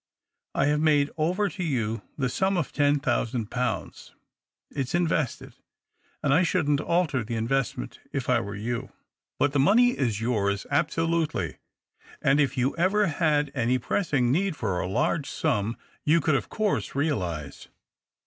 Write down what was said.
I have made over to you the sum of ten thousand pounds. It's invested, and I shouldn't alter the investment if I were you. But the money is yours absolutely, and if you ever had any pressing need for a large sum you could of course realize.